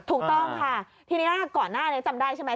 ถูกต้องค่ะทีนี้ก่อนหน้านี้จำได้ใช่ไหม